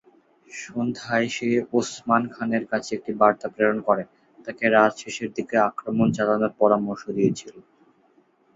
সন্ধ্যায় সে ওসমান খানের কাছে একটি বার্তা প্রেরণ করে তাকে রাত শেষের দিকে আক্রমণ চালানোর পরামর্শ দিয়েছিল।